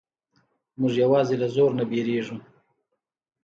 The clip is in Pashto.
موږ یوازې له زور نه وېریږو.